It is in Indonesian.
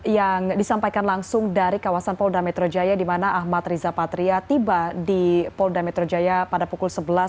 yang disampaikan langsung dari kawasan polda metro jaya di mana ahmad riza patria tiba di polda metro jaya pada pukul sebelas